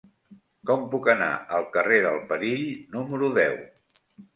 Com puc anar al carrer del Perill número deu?